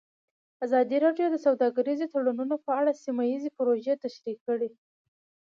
ازادي راډیو د سوداګریز تړونونه په اړه سیمه ییزې پروژې تشریح کړې.